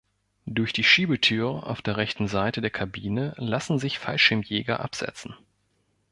Durch die Schiebetür auf der rechten Seite der Kabine lassen sich Fallschirmjäger absetzten.